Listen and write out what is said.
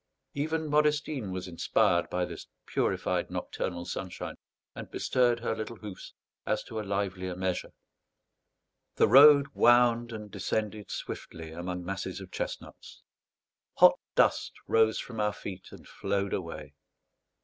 Even Modestine was inspired by this purified nocturnal sunshine, and bestirred her little hoofs as to a livelier measure. The road wound and descended swiftly among masses of chestnuts. Hot dust rose from our feet and flowed away.